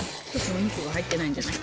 お肉が入ってないんじゃない？